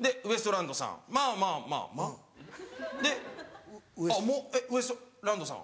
でウエストランドさんまぁまぁまぁまぁ？でもうウエストランドさん。